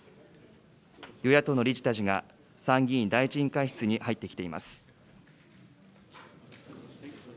与野党の理事たちが、参議院第１委員会室に入ってきています。